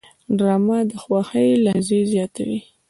ډرامه د خوښۍ لحظې زیاتوي